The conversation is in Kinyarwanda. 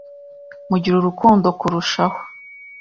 Mugira urukundo kurushaho